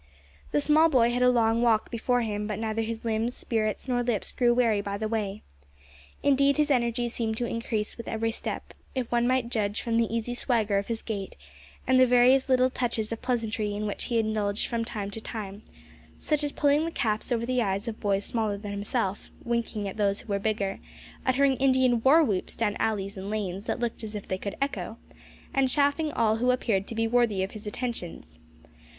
The small boy had a long walk before him; but neither his limbs, spirits, nor lips grew weary by the way. Indeed, his energies seemed to increase with every step, if one might judge from the easy swagger of his gait, and the various little touches of pleasantry in which he indulged from time to time; such as pulling the caps over the eyes of boys smaller than himself, winking at those who were bigger, uttering Indian war whoops down alleys and lanes that looked as if they could echo, and chaffing all who appeared to be worthy of his attentions.